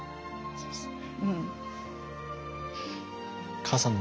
そうですね。